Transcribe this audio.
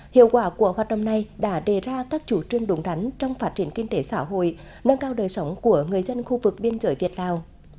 hiệu quả của hoạt động này đã đề ra các chủ trương đúng đắn trong phát triển kinh tế xã hội nâng cao đời sống của người dân khu vực biên giới việt lào